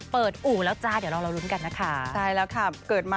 เพิ่งจะเริ่ม